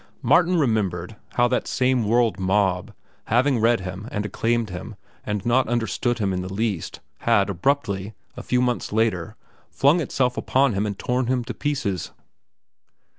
Martin remembered how that same world mob, having read him and acclaimed him and not understood him in the least, had, abruptly, a few months later, flung itself upon him and torn him to pieces.